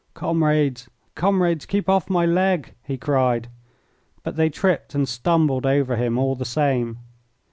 "Comrades, comrades, keep off my leg!" he cried, but they tripped and stumbled over him all the same.